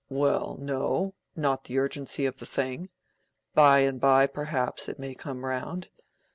"Well, no, not the urgency of the thing. By and by, perhaps, it may come round.